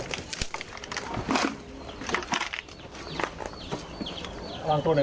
สวัสดีครับคุณผู้ชาย